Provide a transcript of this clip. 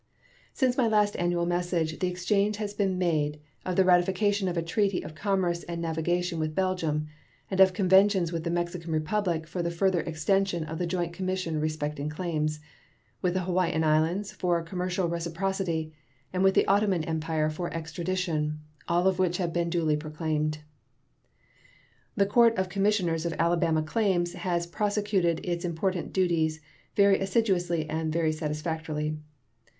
Since my last annual message the exchange has been made of the ratification of a treaty of commerce and navigation with Belgium, and of conventions with the Mexican Republic for the further extension of the joint commission respecting claims; with the Hawaiian Islands for commercial reciprocity, and with the Ottoman Empire for extradition; all of which have been duly proclaimed. The Court of Commissioners of Alabama Claims has prosecuted its important duties very assiduously and very satisfactorily.